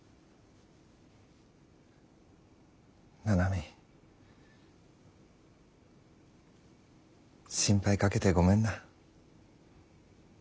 七海心配かけてごめんな。